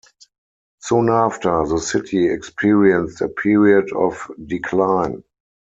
Soon after, the city experienced a period of decline.